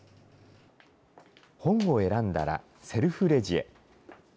本を選んだらセルフレジへ。